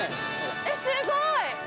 すごい。